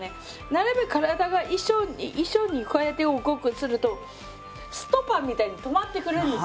なるべく体が一緒にこうやって動くとするとストッパーみたいに止まってくれるんです。